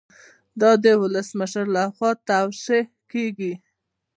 دا د ولسمشر لخوا توشیح کیږي.